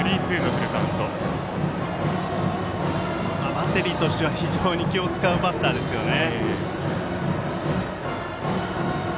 バッテリーとしては気を使うバッターですね。